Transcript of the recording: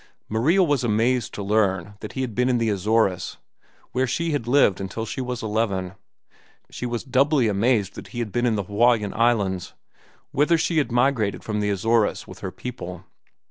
Maria was amazed to learn that he had been in the Azores, where she had lived until she was eleven. She was doubly amazed that he had been in the Hawaiian Islands, whither she had migrated from the Azores with her people.